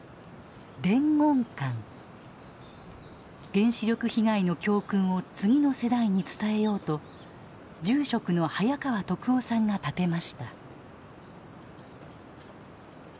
原子力被害の教訓を次の世代に伝えようと住職の早川篤雄さんが建てました。